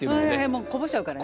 もうこぼしちゃうからね。